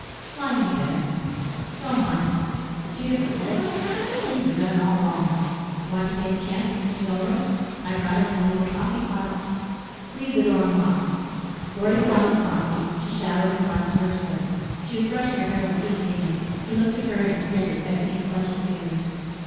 "Lying in bed." "So am I. But two different beds. Things are done all wrong." "Want to take a chance and sneak over? I've got an illegal coffee pot." "Leave the door unlocked." Lorry put on the coffee. She showered and got into her slip. She was brushing her hair when Pete came in. He looked at her and extended beckoning, clutching fingers.